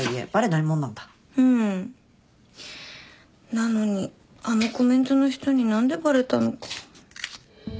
なのにあのコメントの人に何でバレたのか。